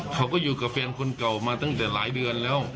เขาก็อยู่กับแฟนคนเก่ามาตั้งแต่หลายเดือนแล้ว